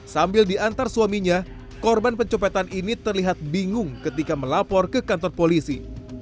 sambil diantar suaminya korban pencopetan ini terlihat bingung ketika melapor ke kantor polisi